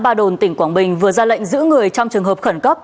thị xã bà đồn tỉnh quảng bình vừa ra lệnh giữ người trong trường hợp khẩn cấp